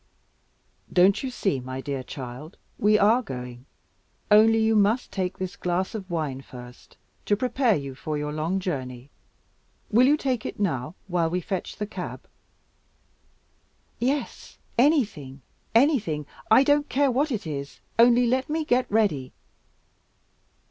"Don't you see, my dear child, we are going? Only you must take this glass of wine first, to prepare you for your long journey. Will you take it now, while we fetch the cab?" "Yes, anything, anything: I don't care what it is. Only let me get ready."